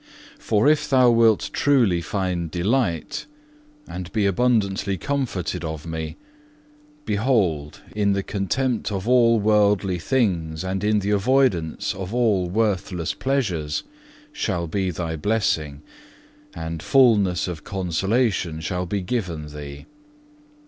"For if thou wilt truly find delight, and be abundantly comforted of Me, behold in the contempt of all worldly things and in the avoidance of all worthless pleasures shall be thy blessing, and fulness of consolation shall be given thee.